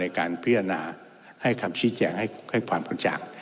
การพิจารณาให้คำชี้แจงให้ความกระจ่าง